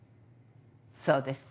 そうですか。